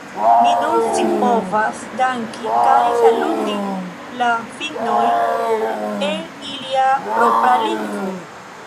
Mi nun scipovas danki kaj saluti la finnojn en ilia propra lingvo.